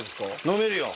飲めるよ。